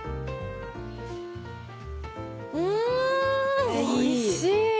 うんおいしい！